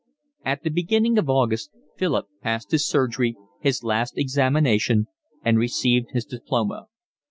At the beginning of August Philip passed his surgery, his last examination, and received his diploma.